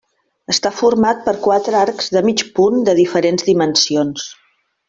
Està format per quatre arcs de mig punt de diferents dimensions.